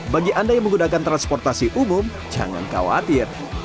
bagi anda yang menggunakan transportasi umum jangan khawatir